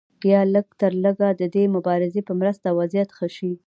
یا لږترلږه د دې مبارزې په مرسته وضعیت ښه شي.